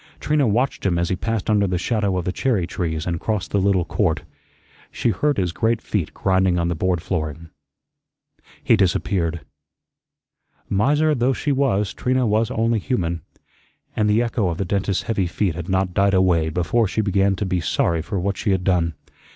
Trina watched him as he passed under the shadow of the cherry trees and crossed the little court. She heard his great feet grinding on the board flooring. He disappeared. Miser though she was, Trina was only human, and the echo of the dentist's heavy feet had not died away before she began to be sorry for what she had done.